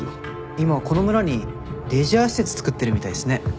今この村にレジャー施設造ってるみたいっすね。